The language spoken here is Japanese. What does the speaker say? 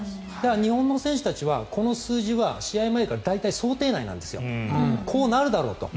日本の選手たちはこの数字は試合前から大体想定内なんですよこうなるだろうと。